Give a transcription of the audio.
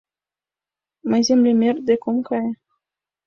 — Мый землемер дек ом кае.